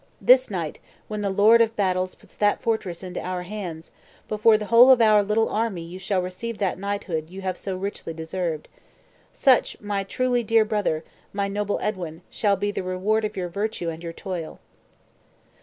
This night, when the Lord of battles puts that fortress into our hands, before the whole of our little army you shall receive that knighthood you have so richly deserved. Such, my truly dear brother, my noble Edwin, shall be the reward of your virtue and your toil."